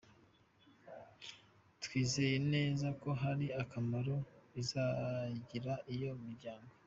Twizeye neza ko hari akamaro bizagirira iyo miryango.